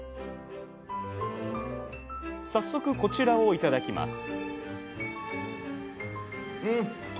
早速こちらを頂きます